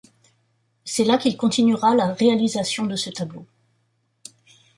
C'est là qu'il continuera la réalisation de ce tableau.